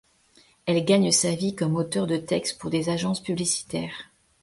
Elle gagne sa vie comme auteur de texte pour des agences publicitaires.